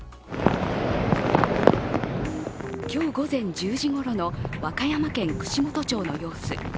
今日午前１０時ごろの和歌山県串本町の様子。